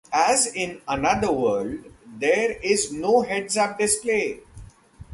As in "Another World", there is no heads-up display.